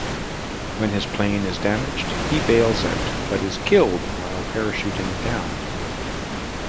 When his plane is damaged, he bails out, but is killed while parachuting down.